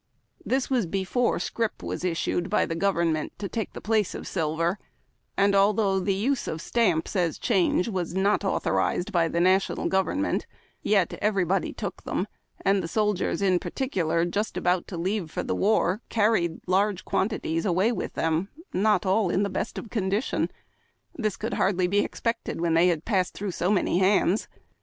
This was before scrip was issued by the gov ernment to take the place of silver ; and although the use of stamps as change was not authorized by the national go vernment, yet everybody took them, and the sol diers in particular just about to leave for the war carried large quantities away with them dition. This could hardly be expected when they had been through so many hands.